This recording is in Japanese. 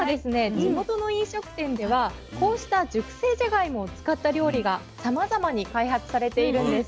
地元の飲食店ではこうした熟成じゃがいもを使った料理がさまざまに開発されているんです。